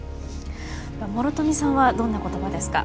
諸富さんはどんな言葉ですか？